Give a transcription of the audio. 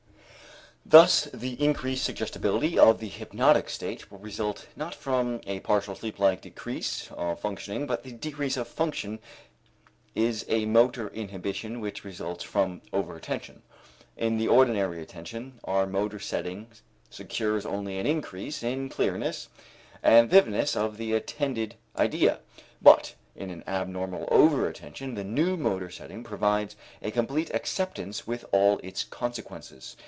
Thus the increased suggestibility of the hypnotic state will result not from a partial sleeplike decrease of functioning but the decrease of function is a motor inhibition which results from over attention. In the ordinary attention, our motor setting secures only an increase in clearness and vividness of the attended ideas, but in an abnormal over attention the new motor setting produces a complete acceptance with all its consequences.